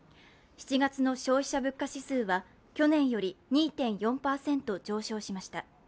７月の消費者物価指数は去年より２．４％上昇しました。